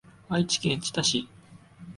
愛知県知多市